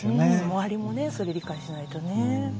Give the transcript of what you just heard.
周りもねそれ理解しないとね。